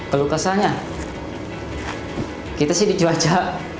kalau kesannya kita sih di cuaca